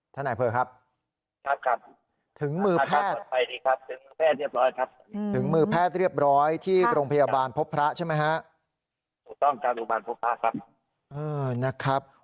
ท่านนายอำเภอครับถึงมือแพทย์เรียบร้อยที่โรงพยาบาลพบพระใช่ไหมฮะ